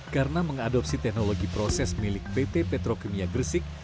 karena mengadopsi teknologi proses milik pt petrokemia gresik